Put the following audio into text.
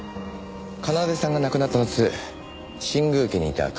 奏さんが亡くなった夏新宮家にいた家政婦ですね？